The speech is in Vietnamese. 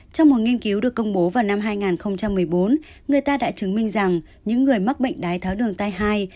trong một nghiên cứu được công bố vào năm hai nghìn một mươi bốn người ta đã chứng minh rằng những người mắc bệnh đái tháo đường tai hai